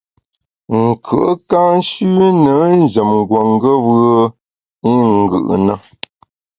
Nkùe’ ka nshüne njem nguongeb’e i ngù’ na.